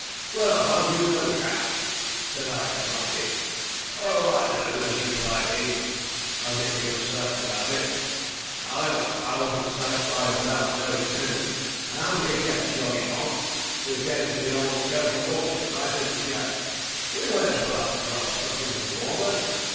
'"Well, how do you know, Jack?" said I to Frosty. "Oh, I knows," replied he, as if he was certain about it. However, I wasn't satisfied without knowing too; and, as we kept jogging on, we came to the old Coach and Horses, and I said to Jack, "We may as well have a drop of something to warm us."